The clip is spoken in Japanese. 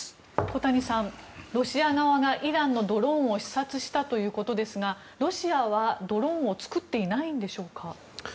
小谷さん、ロシア側がイランのドローンを視察したということですがロシアはドローンを作っていないんでしょうか。